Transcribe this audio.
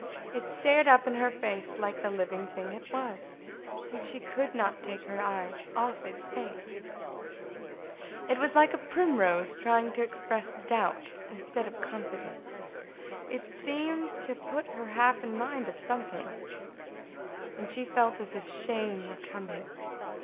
It stared up in her face like the living thing it was, and she could not take her eyes off its face. It was like a primrose trying to express doubt instead of confidence. It seemed to put her half in mind of something, and she felt as if shame were coming.